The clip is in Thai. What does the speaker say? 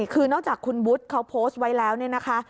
คือนอกจากคุณวุฒิเขาโพสต์ไว้แล้วเนี่ยนะคะ